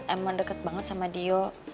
emang deket banget sama dio